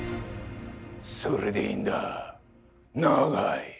それでいいんだ永井。